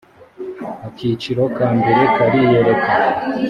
akiciro ka mbere kariyereka